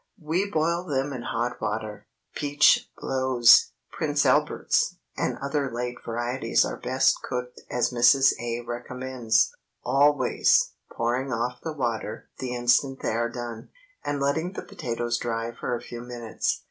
We boil them in hot water. Peach Blows, Prince Alberts, and other late varieties are best cooked as Mrs. A. recommends—always pouring off the water the instant they are done, and letting the potatoes dry for a few minutes.